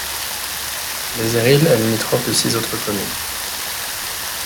Bézéril est limitrophe de six autres communes.